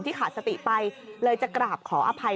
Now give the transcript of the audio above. ขาดสติไปเลยจะกราบขออภัย